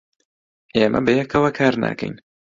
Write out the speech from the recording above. ئێمە بەیەکەوە کار ناکەین.